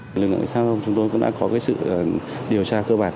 lực lượng cảnh sát giao thông chúng tôi cũng đã có sự điều tra cơ bản